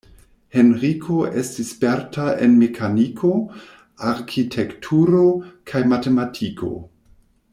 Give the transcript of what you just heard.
Henriko estis sperta en mekaniko, arkitekturo kaj matematiko.